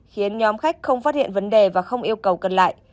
khiến nhóm khách không phát hiện vấn đề và không yêu cầu cần lại